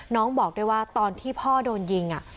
บอกด้วยว่าตอนที่พ่อโดนยิง